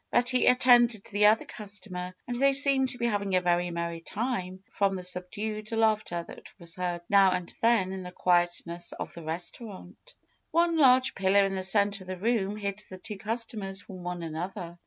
Betty attended the other customer, and they seemed to be having a very merry time from the subdued laughter that was heard now and then in the quietness of the restaurant. One large pillar in the center of the room hid the two customers from one another.